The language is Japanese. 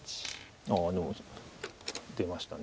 ああでも出ました。